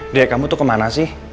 dari kamu tuh kemana sih